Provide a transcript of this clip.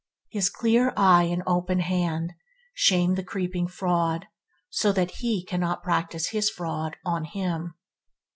His clear eye and open hand shame the creeping fraud so that he cannot practice his fraud on him.